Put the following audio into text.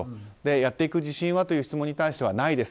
やっていく自信はという質問に対しては、ないです。